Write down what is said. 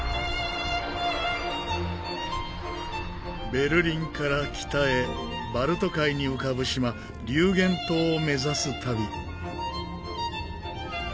ベルリンから北へバルト海に浮かぶ島リューゲン島を目指す旅。